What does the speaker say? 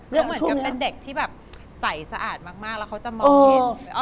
เหมือนเป็นเด็กที่สายสะอาดมากแล้วเขาจะมองเห็น